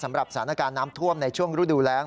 สำหรับสถานการณ์น้ำท่วมในช่วงรูดูแร้ง